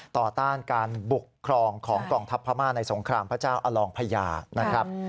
ต่อต้านการบุกครองของกองทัพพระม่าในสงครามพระเจ้าอลองพญา